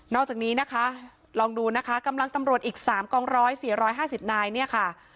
อกจากนี้นะคะลองดูนะคะกำลังตำรวจอีก๓กองร้อย๔๕๐นายเนี่ยค่ะ